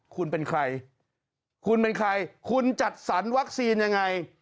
คุณเป็นใครคุณเป็นใครคุณจัดสรรวัคซีนยังไง